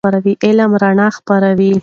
علم رڼا خپروي.